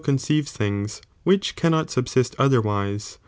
conceives things which cannot subsist otherwise, ^•?'